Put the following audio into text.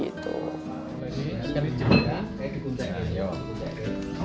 masa itu saya masih kecil ya